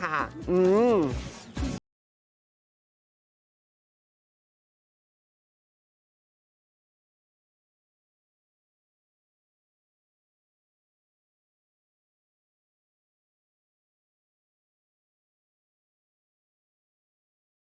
ผมเนาะดูว้านคุณน้อง